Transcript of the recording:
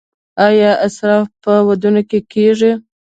آیا اسراف په ودونو کې کیږي؟